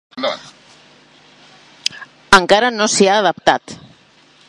Encara no s'hi ha adaptat.